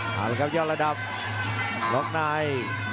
เอาละครับยอดระดับล็อกใน